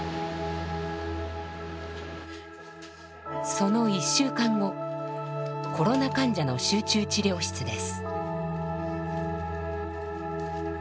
その１週間後コロナ患者の集中治療室です。